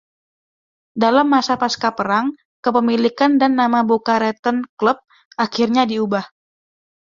Dalam masa pasca perang, kepemilikan dan nama Boca Raton Club akhirnya diubah.